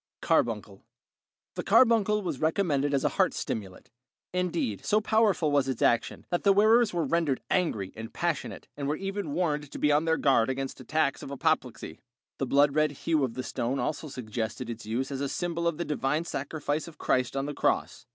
Carbuncle The carbuncle was recommended as a heart stimulant; indeed, so powerful was its action, that the wearers were rendered angry and passionate and were even warned to be on their guard against attacks of apoplexy. The blood red hue of the stone also suggested its use as a symbol of the divine sacrifice of Christ on the cross.